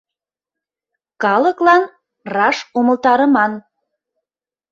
Калыклан раш умылтарыман.